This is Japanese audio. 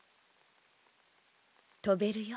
飛べるよ。